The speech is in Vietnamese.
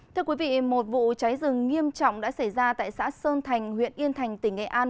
thưa quý vị một vụ cháy rừng nghiêm trọng đã xảy ra tại xã sơn thành huyện yên thành tỉnh nghệ an